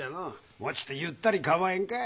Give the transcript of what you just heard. もうちっとゆったり構えんかい。